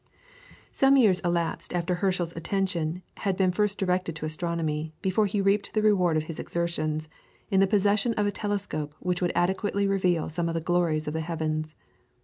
] Some years elapsed after Herschel's attention had been first directed to astronomy, before he reaped the reward of his exertions in the possession of a telescope which would adequately reveal some of the glories of the heavens.